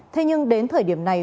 thế nhưng đến thời điểm này